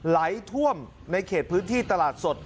ไหลท่วมในเขตพื้นที่ตลาดสด